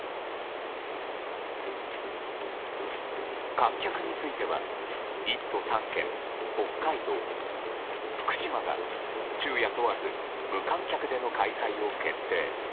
観客については１都３県、北海道、福島が昼夜問わず無観客での開催を決定。